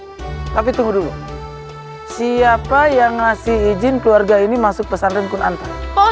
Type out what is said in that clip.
hai tapi tunggu dulu siapa yang ngasih izin keluarga ini masuk pesan rencana